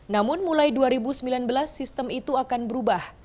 namun mulai dua ribu sembilan belas sistem itu akan berubah